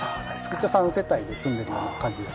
一応３世帯で住んでるような感じですね。